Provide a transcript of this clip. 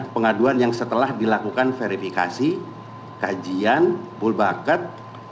pengaduan yang setelah dilakukan verifikasi kajian poolbakat